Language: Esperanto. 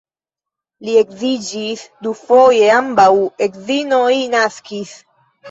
Li edziĝis dufoje, ambaŭ edzinoj naskis.